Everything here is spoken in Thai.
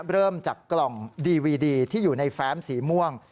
เริ่มจากกล่องดีวีดีที่อยู่ในแฟ้มสีม่วง